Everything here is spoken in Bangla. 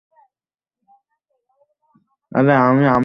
মোশাররফ করিমের সঙ্গে সেলফি যেন আবশ্যক একটা কাজ হয়ে যায় ভক্তদের জন্য।